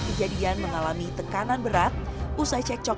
kejadian mengalami tekanan berat usai cekcok